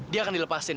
dia akan dilepasin